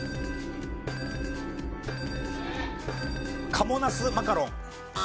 かもなすマカロン。